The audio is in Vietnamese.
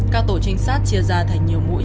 các tổ trinh sát chia ra thành nhiều mũi